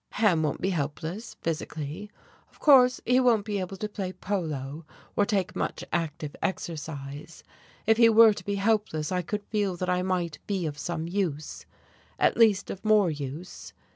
Ham won't be helpless, physically. Of course he won't be able to play polo, or take much active exercise. If he were to be helpless, I could feel that I might be of some use, at least of more use.